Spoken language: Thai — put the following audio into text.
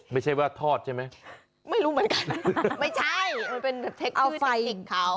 ไม่ใช่ว่าทอดใช่ไหมไม่รู้เหมือนกันไม่ใช่มันเป็นแบบเทคเอาไฟของเขา